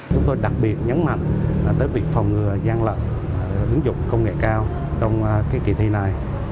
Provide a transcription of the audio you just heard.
chúng tôi đặc biệt nhấn mạnh tới việc phòng ngừa gian lận ứng dụng công nghệ cao trong kỳ thi này